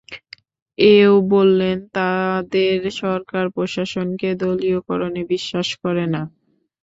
এও বললেন, তাঁদের সরকার প্রশাসনকে দলীয়করণে বিশ্বাস করে না।